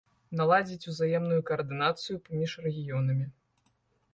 Наладзіць узаемную каардынацыю паміж рэгіёнамі.